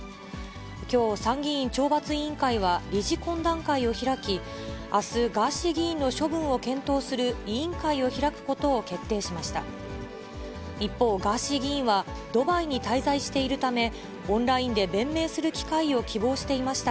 きょう、参議院懲罰委員会は理事懇談会を開き、あす、ガーシー議員の処分を検討する委員会を開くことを決定しました。